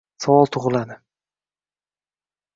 Savol tug‘iladi.